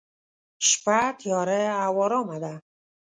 شپه تیاره او ارامه ده.